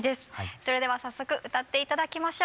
それでは早速歌って頂きましょう。